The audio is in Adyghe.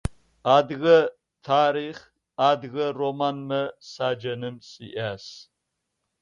Адыгэ тарыхъ, адыгэ романмэ саджэным сиӏас.